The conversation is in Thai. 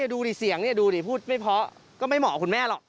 ดูดิเสียงนี่ดูดิพูดไม่เพราะก็ไม่เหมาะกับคุณแม่หรอก